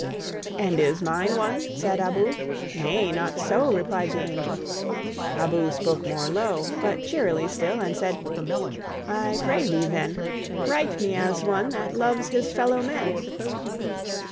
"And is mine one?" said Abou. "Nay, not so," Replied the angel. Abou spoke more low, But cheerly still; and said, "I pray thee, then, Write me as one that loves his fellow men."